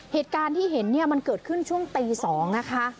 เหตุการณ์ที่เห็นเนี่ยมันเกิดขึ้นช่วงตี๒นะคะ